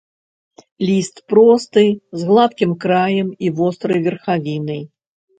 Ліст просты, з гладкім краем і вострай верхавінай.